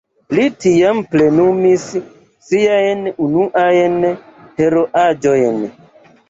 Li tiam plenumis siajn unuajn heroaĵojn.